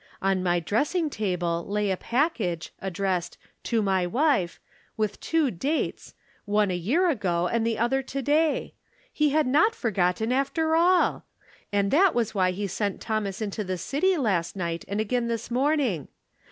On my dressing table lay a package, addressed " To my wife," with two dates, one a year ago and the other to day ! He had not forgotten, after all ! And' that was why he sent Thomas into the city last night and again this morning.